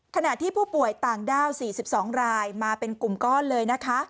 ขณะที่ผู้ป่วยต่างด้าว๔๒รายมาเป็นกลุ่มก้อนเลยนะคะ